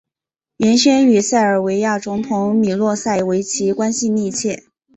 原先与塞尔维亚总统米洛塞维奇关系密切。